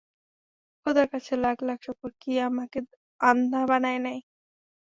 খোদার কাছে লাখ লাখ শোকর কি আমাকে আন্ধা বানাই নাই।